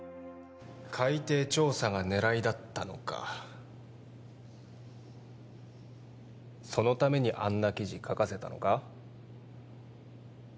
海底調査が狙いだったのかそのためにあんな記事書かせたのか？